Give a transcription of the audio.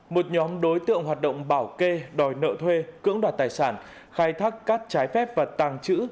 một nhóm đối tượng hoạt động bảo kê đòi nợ thuê cưỡng đoạt tài sản khai thác cát trái phép và tàng trữ